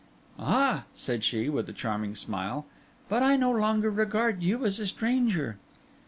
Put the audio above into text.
'Ah!' said she, with a charming smile, 'but I no longer regard you as a stranger.